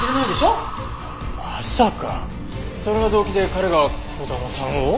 まさかそれが動機で彼が児玉さんを？